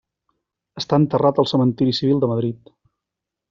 Està enterrat al Cementiri Civil de Madrid.